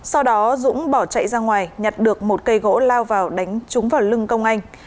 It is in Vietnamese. sau đó dũng bỏ chạy ra ngoài nhặt được một cây gỗ lao vào đánh trúng vào lưng công anh